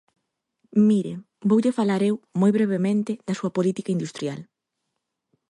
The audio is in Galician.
Mire, voulle falar eu, moi brevemente, da súa política industrial.